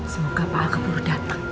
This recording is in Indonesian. semoga pak aga buru datang